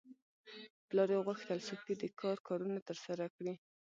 پلار یې غوښتل سوفي د کور کارونه ترسره کړي.